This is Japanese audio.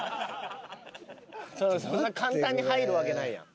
そんな簡単に入るわけないやん。